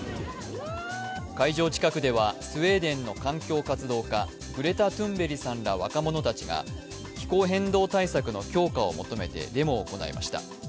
会場近くではスウェーデンの環境活動家グレタ・トゥンベリさんら若者たちが気候変動対策の強化を求めてデモを行いました。